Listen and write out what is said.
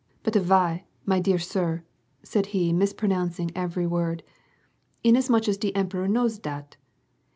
"But why, my dear sir," said he, mispronouncing every word, "inasmuch as de emperor knows dat?